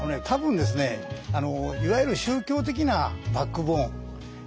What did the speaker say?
多分ですねいわゆる宗教的なバックボーン。